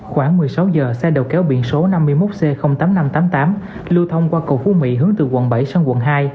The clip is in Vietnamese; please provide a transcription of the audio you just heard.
khoảng một mươi sáu giờ xe đầu kéo biển số năm mươi một c tám nghìn năm trăm tám mươi tám lưu thông qua cầu phú mỹ hướng từ quận bảy sang quận hai